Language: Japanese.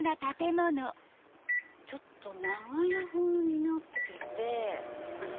ちょっと長屋風になってて。